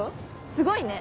すごいね。